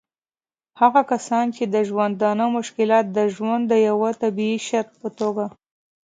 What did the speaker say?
هغه کسان چې د ژوندانه مشکلات د ژوند د یوه طبعي شرط په توګه